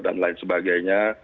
dan lain sebagainya